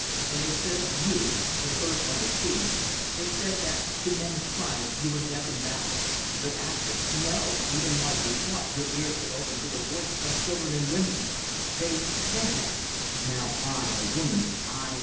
And they said of you the first on the sea they said that to men's cries you were deaf in battle, but after ... No! even while you fought, your ears were open to the voice of children and women. They said ... that. Now I, a woman, I